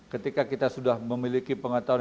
ketika kita sudah memiliki pengetahuan